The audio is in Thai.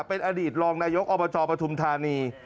เป็นอดีตรองนายกอบจปฐุมธานี